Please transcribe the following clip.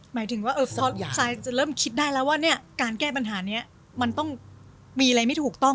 หมายถึงว่าซายจะเริ่มคิดได้แล้วว่าเนี่ยการแก้ปัญหานี้มันต้องมีอะไรไม่ถูกต้อง